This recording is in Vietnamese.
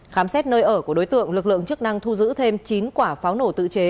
khám xét nơi ở của đối tượng lực lượng chức năng thu giữ thêm chín quả pháo nổ tự chế